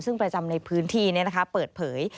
ซึ่งประจำในพื้นที่เปิดเผย